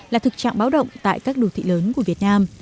là thực trạng báo động tại các đô thị lớn của việt nam